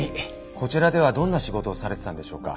こちらではどんな仕事をされていたんでしょうか？